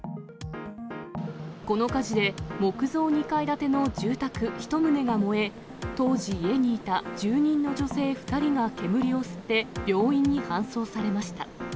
この火事で、木造２階建ての住宅１棟が燃え、当時、家にいた住人の女性２人が煙を吸って病院に搬送されました。